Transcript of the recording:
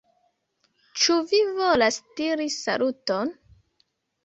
Ĉu vi volas diri saluton?